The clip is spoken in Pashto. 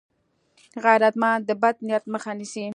غیرتمند د بد نیت مخه نیسي